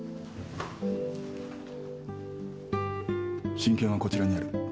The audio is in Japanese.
親権はこちらにある。